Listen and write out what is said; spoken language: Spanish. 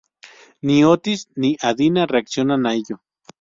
Ni Otis ni Adina reaccionan a ello.